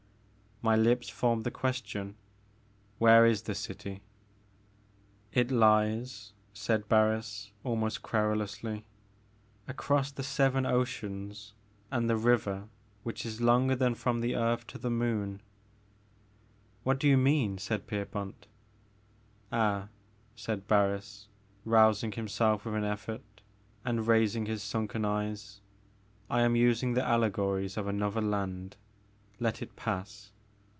*' My lips formed the question, "Where is this dty?" 58 The Maker of Moons. "It lies," said Barns, almost querulously, " across the seven oceans and the river which is longer than from the earth to the moon." What do you mean ?" said Pierpont. Ah," said Barris, rousing himself with an eflFort and raising his sunken eyes, I am using the allegories of another land ; let it pass.